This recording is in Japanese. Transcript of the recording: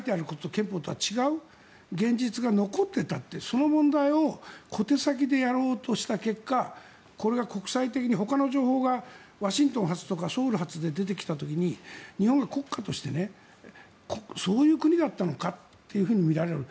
憲法とは違う現実が残っていたってその問題を小手先でやろうとした結果これが国際的に、ほかの情報がワシントン発とかソウル発で出てきた時に日本が国家としてそういう国だったのかとみられる。